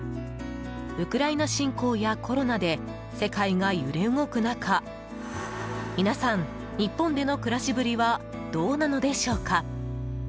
ウクライナ侵攻やコロナで世界が揺れ動く中皆さん日本での暮らしぶりはどうなのでしょうか。